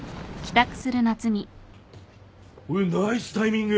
おっナイスタイミング！